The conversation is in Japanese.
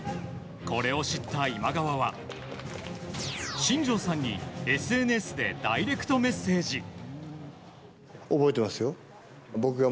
これを知った今川は新庄さんにＳＮＳでダイレクトメッセージ。